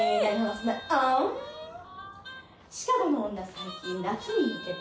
最近夏に向けて。